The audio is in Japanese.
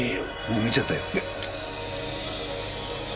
もう見ちゃったよ。